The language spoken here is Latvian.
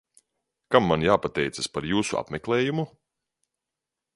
Kam man jāpateicas par jūsu apmeklējumu?